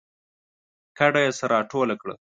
کډه یې سره راټوله کړه